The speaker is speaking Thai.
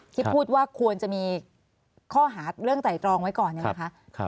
ที่พูดว่าควรจะมีข้อหาเรื่องไต่ตรองไว้ก่อนเนี่ยนะคะ